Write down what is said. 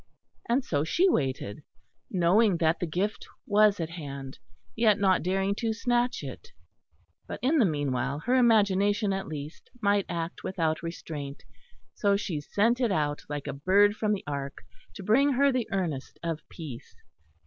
And so she waited, knowing that the gift was at hand, yet not daring to snatch it. But, in the meanwhile, her imagination at least might act without restraint; so she sent it out, like a bird from the Ark, to bring her the earnest of peace.